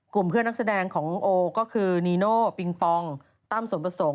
เพื่อนนักแสดงของโอก็คือนีโน่ปิงปองตั้มสมประสงค์